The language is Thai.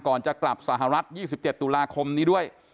จะกลับสหรัฐ๒๗ตุลาคมนี้ด้วย